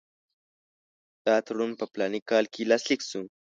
دا تړون په فلاني کال کې لاسلیک شو.